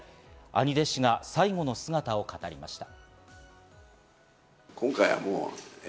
兄弟子が最後の姿を語りました。